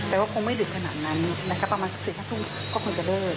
แต่ว่าคงไม่ดึกขนาดนั้นนะคะประมาณสัก๔๕ทุ่มก็คงจะเลิก